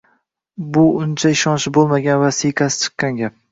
Bu uncha ishonchli boʻlmagan va siyqasi chiqqan gap